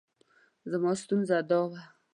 زما ستونزه دا وه.